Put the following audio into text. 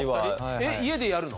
えっ家でやるの？